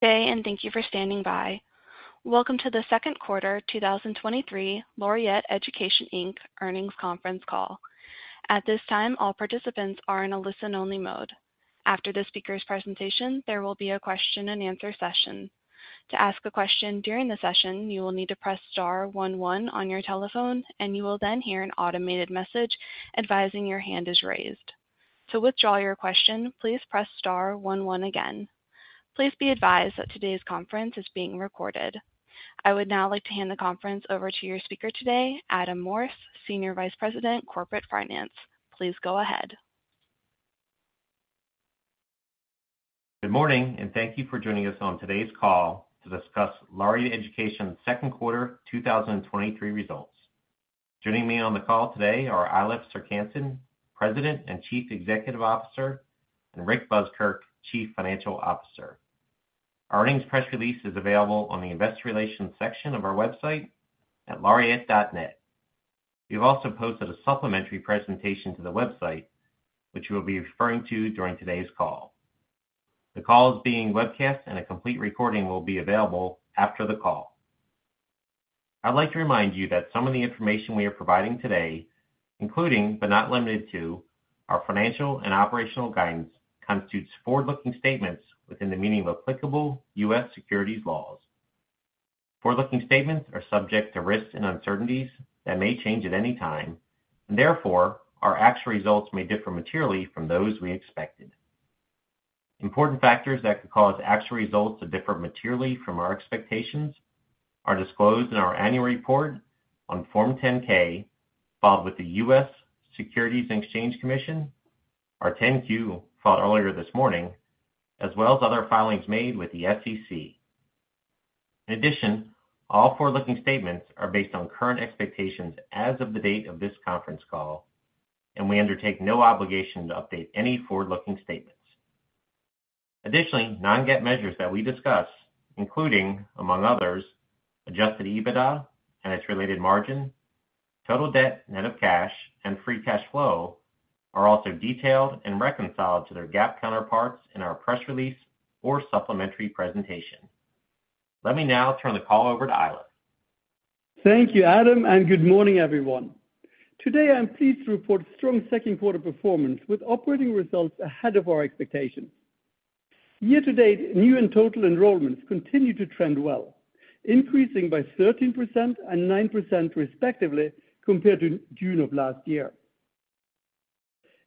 Thank you for standing by. Welcome to the 2nd quarter 2023 Laureate Education, Inc. Earnings Conference Call. At this time, all participants are in a listen-only mode. After the speaker's presentation, there will be a question-and-answer session. To ask a question during the session, you will need to press star 1 1 on your telephone, and you will then hear an automated message advising your hand is raised. To withdraw your question, please press star 1 1 again. Please be advised that today's conference is being recorded. I would now like to hand the conference over to your speaker today, Adam Morse, Senior Vice President, Corporate Finance. Please go ahead. Good morning, and thank you for joining us on today's call to discuss Laureate Education second quarter 2023 results. Joining me on the call today are Eilif Serck-Hanssen, President and Chief Executive Officer, and Rick Buskirk, Chief Financial Officer. Our earnings press release is available on the Investor Relations section of our website at Laureate.net. We've also posted a supplementary presentation to the website, which we'll be referring to during today's call. The call is being webcast, and a complete recording will be available after the call. I'd like to remind you that some of the information we are providing today, including, but not limited to, our financial and operational guidance, constitutes forward-looking statements within the meaning of applicable U.S. securities laws. Forward-looking statements are subject to risks and uncertainties that may change at any time, and therefore, our actual results may differ materially from those we expected. Important factors that could cause actual results to differ materially from our expectations are disclosed in our annual report on Form 10-K, filed with the U.S. Securities and Exchange Commission, our 10-Q, filed earlier this morning, as well as other filings made with the SEC. All forward-looking statements are based on current expectations as of the date of this conference call. We undertake no obligation to update any forward-looking statements. Non-GAAP measures that we discuss, including, among others, Adjusted EBITDA and its related margin, total debt net of cash, and Free Cash Flow, are also detailed and reconciled to their GAAP counterparts in our press release or supplementary presentation. Let me now turn the call over to Eilif Serck-Hanssen Thank you, Adam, and good morning, everyone. Today, I'm pleased to report strong second quarter performance with operating results ahead of our expectations. Year to date, new and total enrollments continue to trend well, increasing by 13% and 9% respectively, compared to June of last year.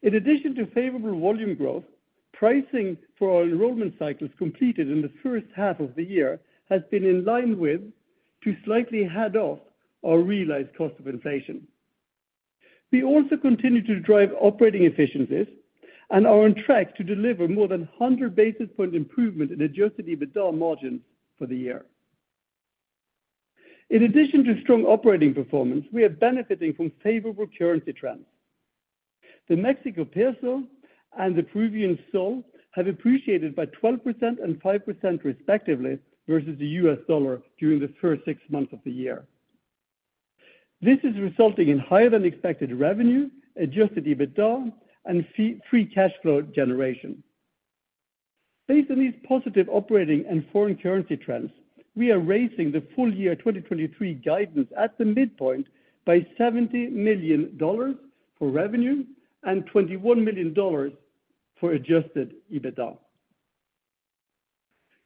In addition to favorable volume growth, pricing for our enrollment cycles completed in the first half of the year has been in line with to slightly ahead of our realized cost of inflation. We also continue to drive operating efficiencies and are on track to deliver more than 100 basis point improvement in Adjusted EBITDA margins for the year. In addition to strong operating performance, we are benefiting from favorable currency trends. The Mexican peso and the Peruvian sol have appreciated by 12% and 5%, respectively, versus the US Dollar during the first six months of the year. This is resulting in higher-than-expected revenue, Adjusted EBITDA, and Free Cash Flow generation. Based on these positive operating and foreign currency trends, we are raising the full year 2023 guidance at the midpoint by $70 million for revenue and $21 million for Adjusted EBITDA.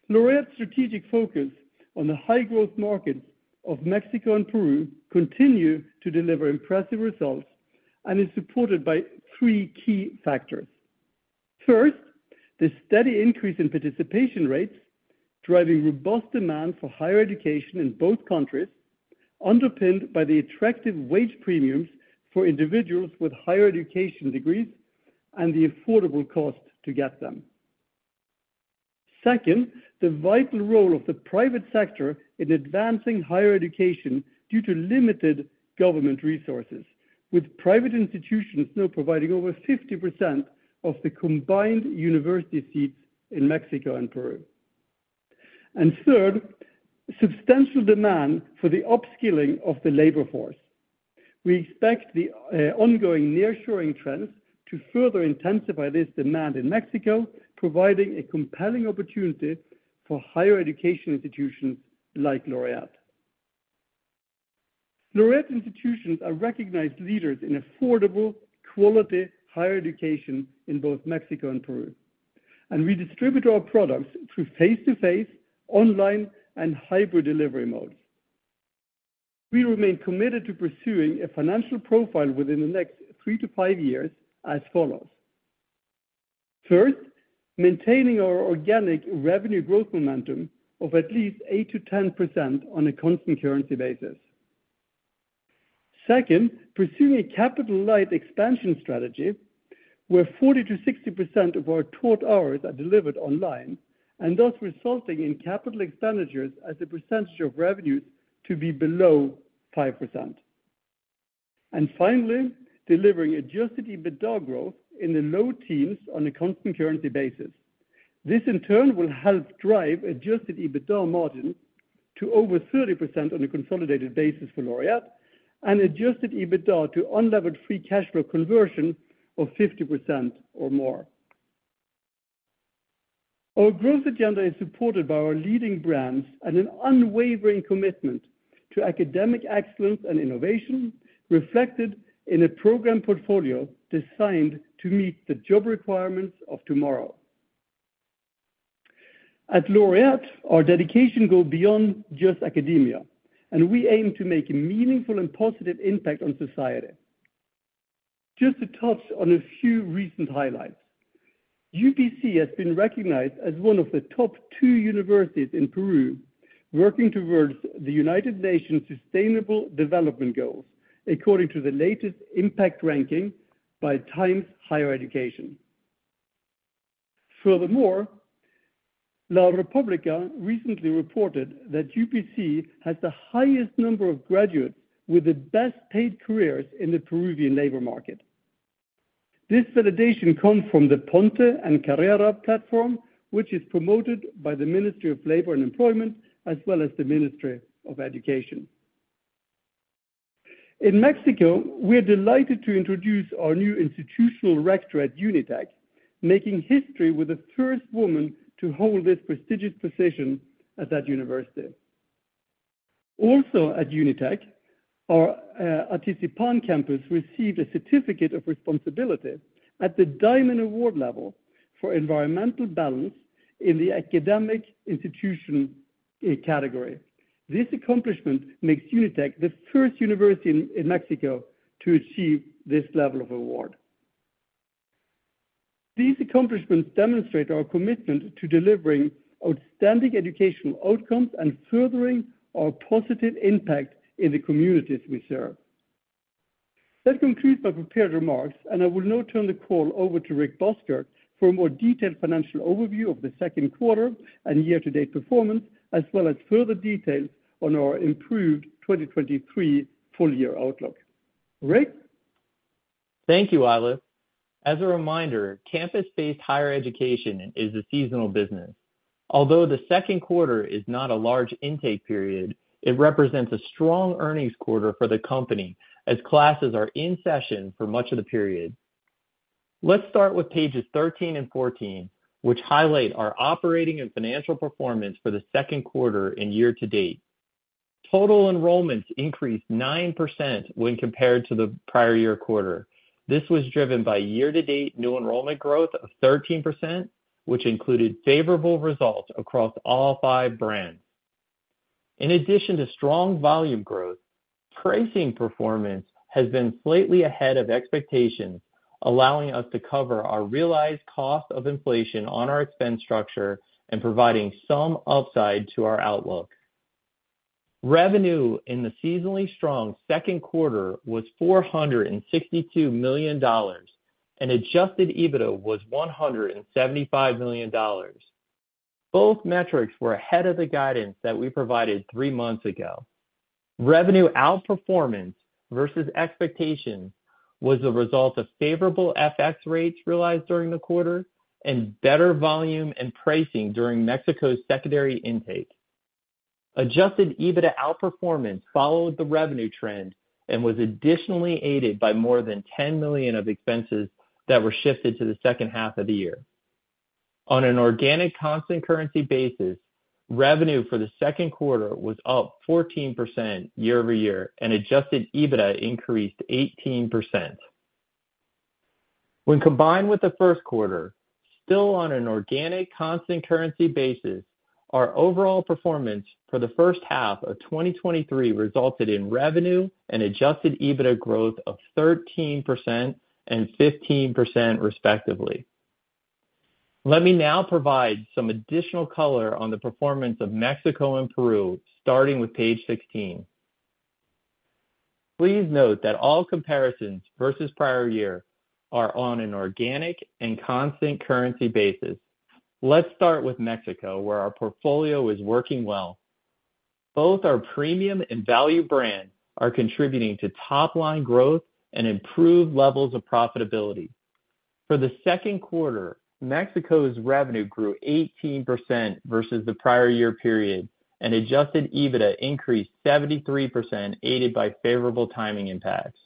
Laureate's strategic focus on the high-growth markets of Mexico and Peru continue to deliver impressive results and is supported by three key factors. First, the steady increase in participation rates, driving robust demand for higher education in both countries, underpinned by the attractive wage premiums for individuals with higher education degrees and the affordable cost to get them. Second, the vital role of the private sector in advancing higher education due to limited government resources, with private institutions now providing over 50% of the combined university seats in Mexico and Peru. Third, substantial demand for the upskilling of the labor force. We expect the ongoing nearshoring trends to further intensify this demand in Mexico, providing a compelling opportunity for higher education institutions like Laureate. Laureate institutions are recognized leaders in affordable, quality higher education in both Mexico and Peru, and we distribute our products through face-to-face, online, and hybrid delivery modes. We remain committed to pursuing a financial profile within the next 3 to 5 years as follows: First, maintaining our organic revenue growth momentum of at least 8%-10% on a constant currency basis. Second, pursuing a capital-light expansion strategy, where 40%-60% of our taught hours are delivered online, and thus resulting in capital expenditures as a percentage of revenues to be below 5%. Finally, delivering adjusted EBITDA growth in the low teens on a constant currency basis. This, in turn, will help drive Adjusted EBITDA to over 30% on a consolidated basis for Laureate, and Adjusted EBITDA to Unlevered Free Cash Flow conversion of 50% or more. Our growth agenda is supported by our leading brands and an unwavering commitment to academic excellence and innovation, reflected in a program portfolio designed to meet the job requirements of tomorrow. At Laureate, our dedication goes beyond just academia. We aim to make a meaningful and positive impact on society. Just to touch on a few recent highlights, UPC has been recognized as one of the top two universities in Peru, working towards the United Nations Sustainable Development Goals, according to the latest impact ranking by Times Higher Education. La República recently reported that UPC has the highest number of graduates with the best paid careers in the Peruvian labor market. This validation comes from the Ponte en Carrera platform, which is promoted by the Ministry of Labor and Employment Promotion, as well as the Ministry of Education. In Mexico, we are delighted to introduce our new institutional rector at UNITEC, making history with the first woman to hold this prestigious position at the university. Also at UNITEC, our Atizapán campus received a certificate of responsibility at the Diamond Award level for environmental balance in the academic institution category. This accomplishment makes UNITEC the first university in Mexico to achieve this level of award. These accomplishments demonstrate our commitment to delivering outstanding educational outcomes and furthering our positive impact in the communities we serve. That concludes my prepared remarks, and I will now turn the call over to Rick Buskirk for a more detailed financial overview of the second quarter and year-to-date performance, as well as further details on our improved 2023 full year outlook. Rick? Thank you, Eilif. As a reminder, campus-based higher education is a seasonal business. Although the second quarter is not a large intake period, it represents a strong earnings quarter for the company, as classes are in session for much of the period. Let's start with pages 13 and 14, which highlight our operating and financial performance for the second quarter and year-to-date. Total enrollments increased 9% when compared to the prior-year quarter. This was driven by year-to-date new enrollment growth of 13%, which included favorable results across all five brands. In addition to strong volume growth, pricing performance has been slightly ahead of expectations, allowing us to cover our realized cost of inflation on our expense structure and providing some upside to our outlook. Revenue in the seasonally strong second quarter was $462 million. Adjusted EBITDA was $175 million. Both metrics were ahead of the guidance that we provided 3 months ago. Revenue outperformance versus expectations was the result of favorable FX rates realized during the quarter, and better volume and pricing during Mexico's secondary intake. Adjusted EBITDA outperformance followed the revenue trend and was additionally aided by more than $10 million of expenses that were shifted to the second half of the year. On an organic constant currency basis, revenue for the second quarter was up 14% year-over-year. Adjusted EBITDA increased 18%. When combined with the first quarter, still on an organic constant currency basis, our overall performance for the first half of 2023 resulted in revenue and Adjusted EBITDA growth of 13% and 15% respectively. Let me now provide some additional color on the performance of Mexico and Peru, starting with page 16. Please note that all comparisons versus prior year are on an organic and constant currency basis. Let's start with Mexico, where our portfolio is working well. Both our premium and value brands are contributing to top-line growth and improved levels of profitability. For the second quarter, Mexico's revenue grew 18% versus the prior year period, and Adjusted EBITDA increased 73%, aided by favorable timing impacts.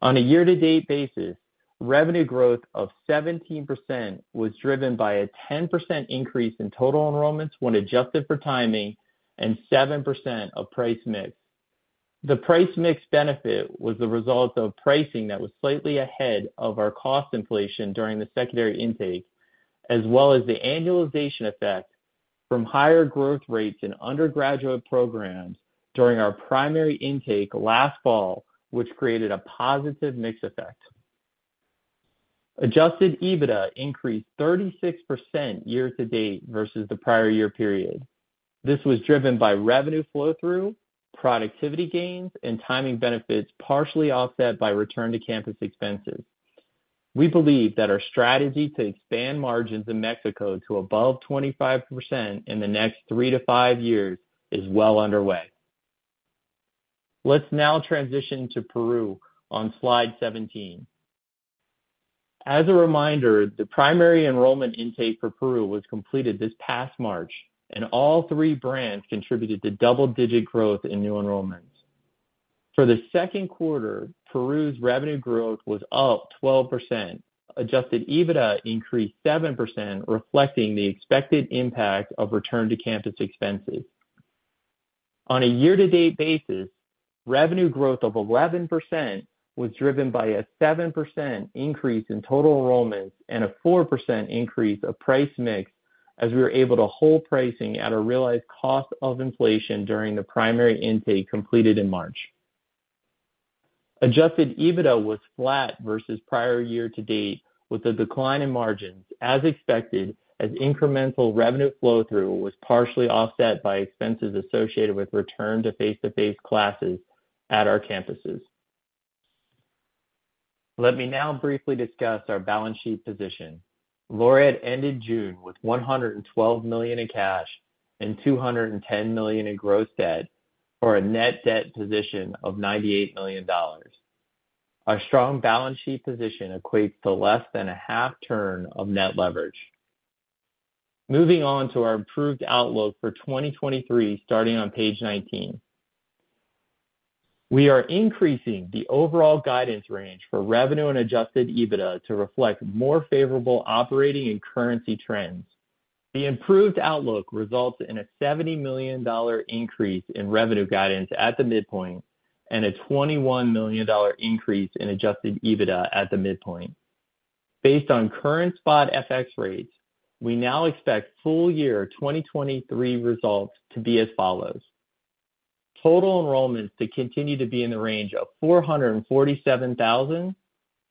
On a year-to-date basis, revenue growth of 17% was driven by a 10% increase in total enrollments when adjusted for timing, and 7% of price mix. The price mix benefit was the result of pricing that was slightly ahead of our cost inflation during the secondary intake, as well as the annualization effect from higher growth rates in undergraduate programs during our primary intake last fall, which created a positive mix effect. Adjusted EBITDA increased 36% year to date versus the prior year period. This was driven by revenue flow-through, productivity gains, and timing benefits, partially offset by return to campus expenses. We believe that our strategy to expand margins in Mexico to above 25% in the next three to five years is well underway. Let's now transition to Peru on slide 17. As a reminder, the primary enrollment intake for Peru was completed this past March, and all three brands contributed to double-digit growth in new enrollments. For the second quarter, Peru's revenue growth was up 12%. Adjusted EBITDA increased 7%, reflecting the expected impact of return-to-campus expenses. On a year-to-date basis, revenue growth of 11% was driven by a 7% increase in total enrollments and a 4% increase of price mix, as we were able to hold pricing at a realized cost of inflation during the primary intake completed in March. Adjusted EBITDA was flat versus prior year-to-date, with a decline in margins as expected, as incremental revenue flow-through was partially offset by expenses associated with return to face-to-face classes at our campuses. Let me now briefly discuss our balance sheet position. Laureate ended June with $112 million in cash and $210 million in gross debt, for a net debt position of $98 million. Our strong balance sheet position equates to less than a half turn of net leverage. Moving on to our improved outlook for 2023, starting on page 19. We are increasing the overall guidance range for revenue and Adjusted EBITDA to reflect more favorable operating and currency trends. The improved outlook results in a $70 million increase in revenue guidance at the midpoint, and a $21 million increase in Adjusted EBITDA at the midpoint. Based on current spot FX rates, we now expect full year 2023 results to be as follows: Total enrollments to continue to be in the range of 447,000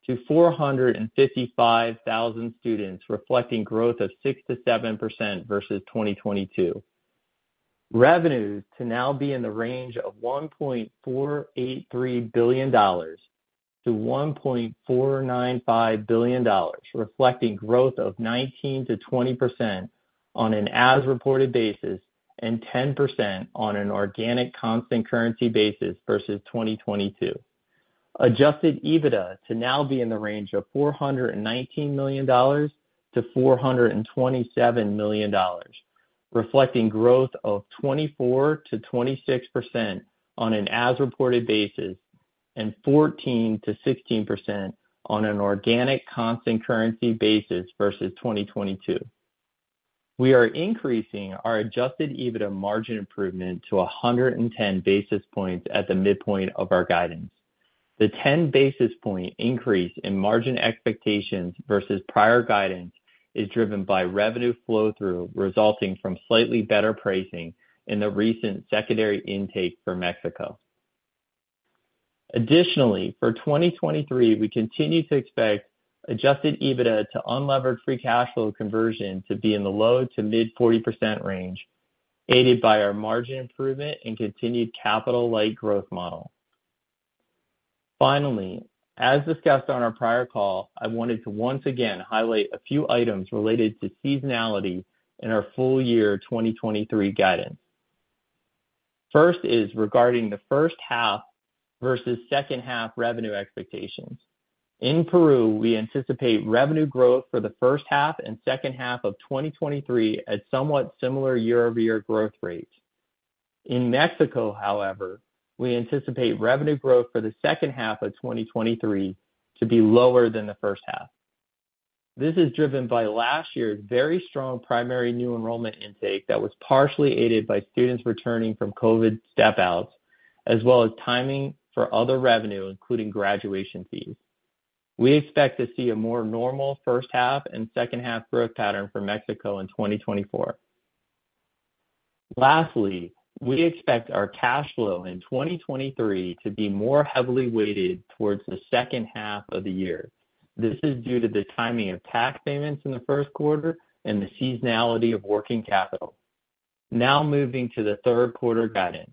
to 455,000 students, reflecting growth of 6%-7% versus 2022. Revenues to now be in the range of $1.483 billion-$1.495 billion, reflecting growth of 19%-20% on an as-reported basis and 10% on an organic constant currency basis versus 2022. Adjusted EBITDA to now be in the range of $419 million-$427 million, reflecting growth of 24%-26% on an as-reported basis and 14%-16% on an organic constant currency basis versus 2022. We are increasing our Adjusted EBITDA margin improvement to 110 basis points at the midpoint of our guidance. The 10 basis point increase in margin expectations versus prior guidance is driven by revenue flow-through, resulting from slightly better pricing in the recent secondary intake for Mexico. Additionally, for 2023, we continue to expect Adjusted EBITDA to Unlevered Free Cash Flow conversion to be in the low to mid 40% range, aided by our margin improvement and continued capital-light growth model. Finally, as discussed on our prior call, I wanted to once again highlight a few items related to seasonality in our full year 2023 guidance. First is regarding the first half versus second half revenue expectations. In Peru, we anticipate revenue growth for the first half and second half of 2023 at somewhat similar year-over-year growth rates. In Mexico, however, we anticipate revenue growth for the second half of 2023 to be lower than the first half. This is driven by last year's very strong primary new enrollment intake that was partially aided by students returning from COVID step outs, as well as timing for other revenue, including graduation fees. We expect to see a more normal first half and second half growth pattern for Mexico in 2024. Lastly, we expect our cash flow in 2023 to be more heavily weighted towards the second half of the year. This is due to the timing of tax payments in the first quarter and the seasonality of working capital. Now moving to the third quarter guidance.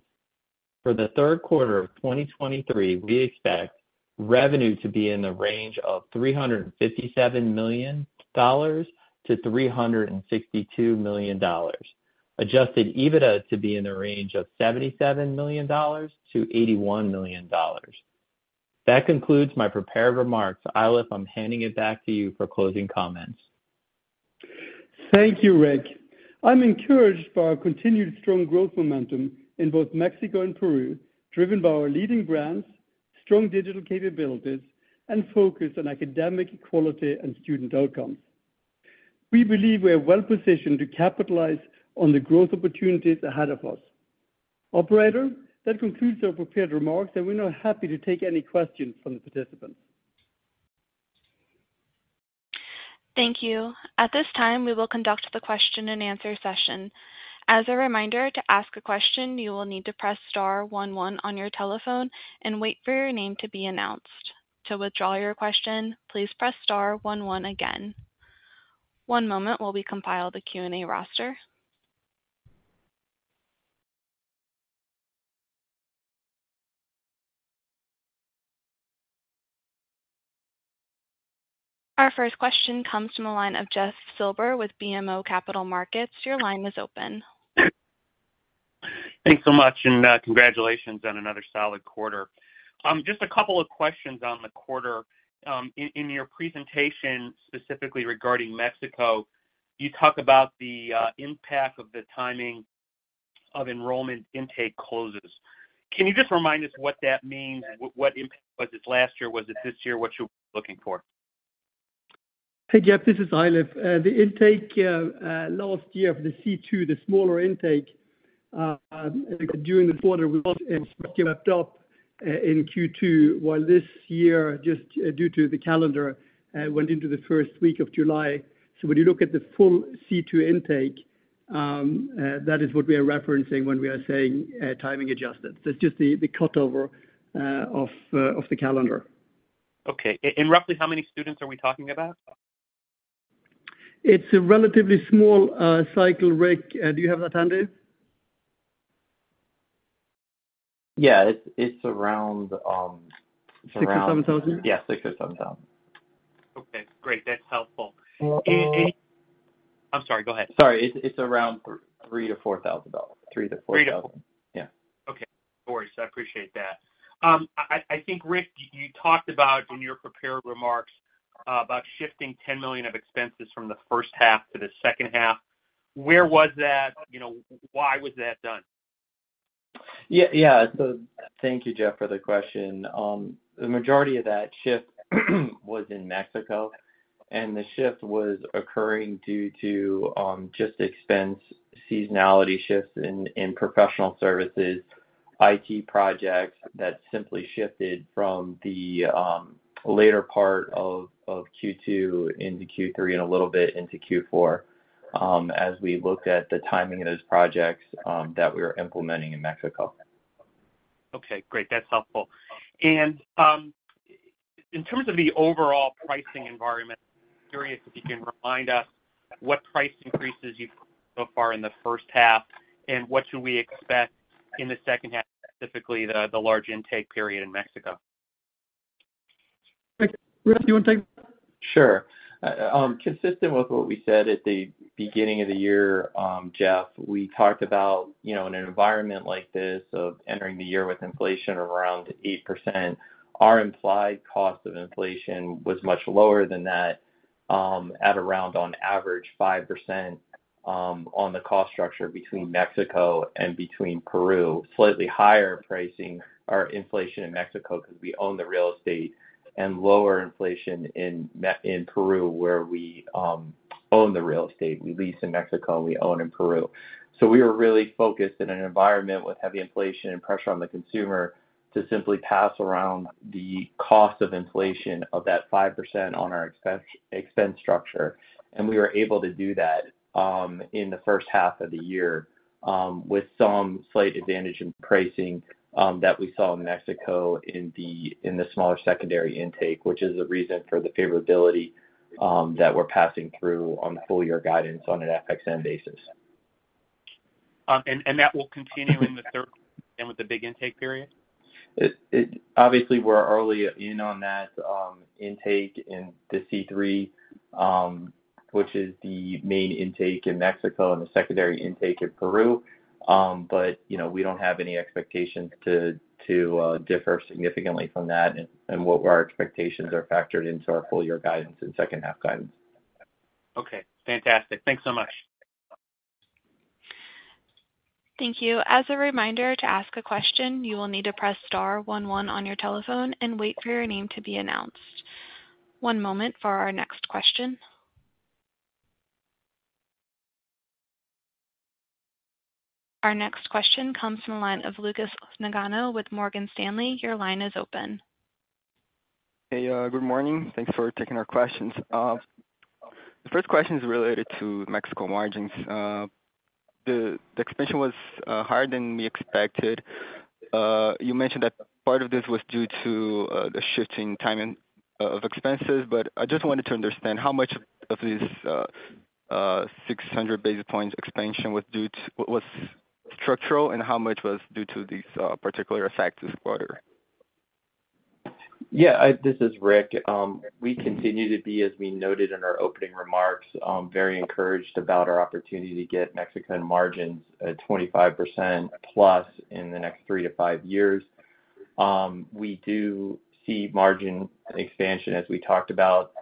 For the third quarter of 2023, we expect revenue to be in the range of $357 million-$362 million. Adjusted EBITDA to be in the range of $77 million-$81 million. That concludes my prepared remarks. Eilif, I'm handing it back to you for closing comments. Thank you, Rick. I'm encouraged by our continued strong growth momentum in both Mexico and Peru, driven by our leading brands, strong digital capabilities, and focus on academic quality and student outcomes. We believe we are well positioned to capitalize on the growth opportunities ahead of us. Operator, that concludes our prepared remarks. We're now happy to take any questions from the participants. Thank you. At this time, we will conduct the question-and-answer session. As a reminder, to ask a question, you will need to press star one one on your telephone and wait for your name to be announced. To withdraw your question, please press star one one again. One moment while we compile the Q&A roster. Our first question comes from the line of Jeff Silber with BMO Capital Markets. Your line is open. Thanks so much. Congratulations on another solid quarter. Just a couple of questions on the quarter. In, in your presentation, specifically regarding Mexico, you talk about the impact of the timing of enrollment intake closes. Can you just remind us what that means? What impact was it last year? Was it this year? What you're looking for? Hey, Jeff, this is Eilif. The intake last year for the C2, the smaller intake, during the quarter, we left off in Q2, while this year, just due to the calendar, went into the first week of July. When you look at the full C2 intake, that is what we are referencing when we are saying timing adjustments. That's just the cut over of the calendar. Okay. Roughly how many students are we talking about? It's a relatively small cycle, Rick. Do you have that handy? Yeah, it's, it's around, around. 6 or 7,000? Yeah, $6,000 or $7,000. Okay, great. That's helpful. Well- And, and... I'm sorry, go ahead. Sorry. It's, it's around $3 thousand-$4 thousand. 3-4- Three. Yeah. Okay. No worries. I appreciate that. I think, Rick, you talked about in your prepared remarks, about shifting $10 million of expenses from the first half to the second half. Where was that? You know, why was that done? Yeah, yeah. Thank you, Jeff, for the question. The majority of that shift was in Mexico, and the shift was occurring due to just expense seasonality shifts in professional services, IT projects that simply shifted from the later part of Q-2 into Q-3 and a little bit into Q-4 as we looked at the timing of those projects that we were implementing in Mexico. Okay, great. That's helpful. In terms of the overall pricing environment, I'm curious if you can remind us what price increases you've so far in the first half, and what should we expect in the second half, specifically the, the large intake period in Mexico? Rick, do you want to take? Sure. consistent with what we said at the beginning of the year, Jeff, we talked about, you know, in an environment like this, of entering the year with inflation around 8%, our implied cost of inflation was much lower than that, at around on average, 5%, on the cost structure between Mexico and between Peru. Slightly higher pricing inflation in Mexico because we own the real estate, and lower inflation in Peru, where we own the real estate. We lease in Mexico, and we own in Peru. We are really focused in an environment with heavy inflation and pressure on the consumer to simply pass around the cost of inflation of that 5% on our expense, expense structure. We were able to do that, in the first half of the year, with some slight advantage in pricing, that we saw in Mexico in the smaller secondary intake, which is the reason for the favorability, that we're passing through on full year guidance on an FX-neutral basis. That will continue in the third, and with the big intake period? It obviously, we're early in on that, intake in the C3, which is the main intake in Mexico and the secondary intake in Peru. You know, we don't have any expectations to differ significantly from that and what our expectations are factored into our full year guidance and second half guidance. Okay, fantastic. Thanks so much. Thank you. As a reminder, to ask a question, you will need to press star one one on your telephone and wait for your name to be announced. One moment for our next question. Our next question comes from the line of Lucas Nagano with Morgan Stanley. Your line is open. Hey, good morning. Thanks for taking our questions. The first question is related to Mexico margins. The, the expansion was higher than we expected. You mentioned that part of this was due to the shifting timing of expenses, but I just wanted to understand, how much of this 600 basis points expansion was structural, and how much was due to these particular effects this quarter? Yeah, I. This is Rick. We continue to be, as we noted in our opening remarks, very encouraged about our opportunity to get Mexican margins at 25%+ in the next 3-5 years. We do see margin expansion, as we talked about,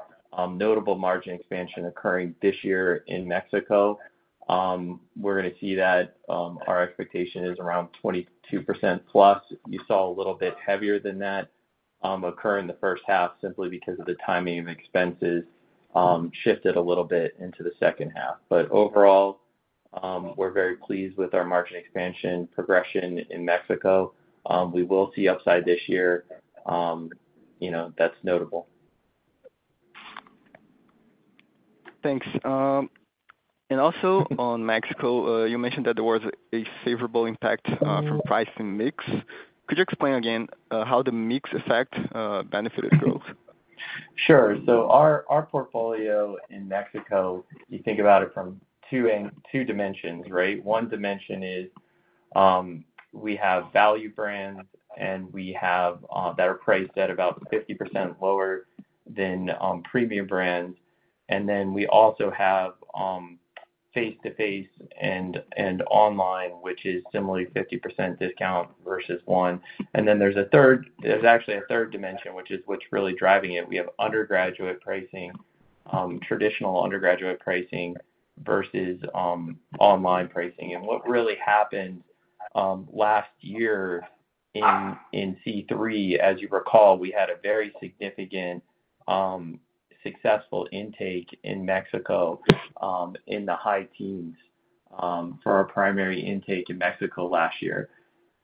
notable margin expansion occurring this year in Mexico. We're gonna see that, our expectation is around 22%+. You saw a little bit heavier than that, occur in the first half, simply because of the timing of expenses, shifted a little bit into the second half. Overall, we're very pleased with our margin expansion progression in Mexico. We will see upside this year, you know, that's notable. Thanks. Also on Mexico, you mentioned that there was a favorable impact from price and mix. Could you explain again, how the mix effect benefited growth? Sure. Our, our portfolio in Mexico, you think about it from 2 dimensions, right? One dimension is, we have value brands, and we have, that are priced at about 50% lower than premium brands. Then we also have face-to-face and online, which is similarly 50% discount versus 1. Then there's a 3rd, there's actually a 3rd dimension, which is what's really driving it. We have undergraduate pricing, traditional undergraduate pricing versus online pricing. What really happened last year in C3, as you recall, we had a very significant, successful intake in Mexico, in the high teens, for our primary intake in Mexico last year.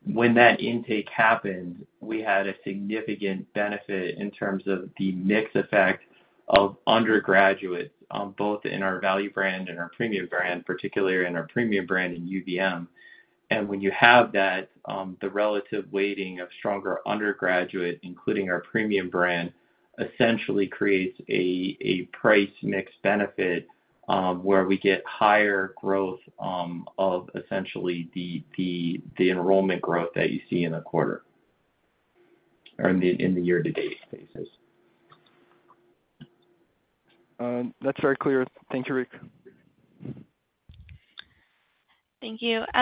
When that intake happened, we had a significant benefit in terms of the mix effect of undergraduates, both in our value brand and our premium brand, particularly in our premium brand in UVM. When you have that, the relative weighting of stronger undergraduate, including our premium brand, essentially creates a, a price mix benefit, where we get higher growth, of essentially the, the, the enrollment growth that you see in a quarter, or in the, in the year-to-date basis. That's very clear. Thank you, Rick. Thank you.